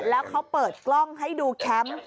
แล้วเขาเปิดกล้องให้ดูแคมป์